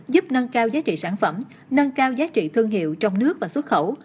giúp nâng cao giá trị sản phẩm nâng cao giá trị thương hiệu trong nước và xuất khẩu